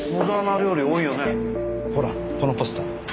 ほらこのポスター。